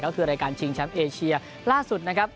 ก็คือรายการชิงแชมป์เอเชียล่าสุดนะครับ